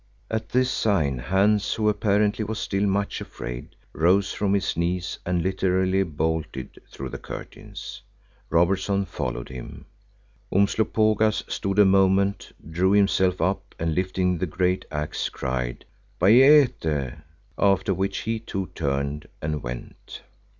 At this sign Hans, who apparently was still much afraid, rose from his knees and literally bolted through the curtains. Robertson followed him. Umslopogaas stood a moment, drew himself up and lifting the great axe, cried Bayéte, after which he too turned and went.